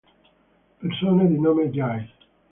Persone di nome Jay